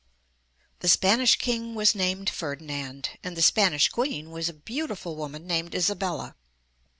II The Spanish King was named Ferdinand, and the Spanish Queen was a beautiful woman named Isabella.